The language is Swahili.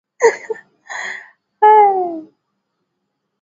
Marufuku haya ya kinyume cha sharia yanatolewa dhidi yetu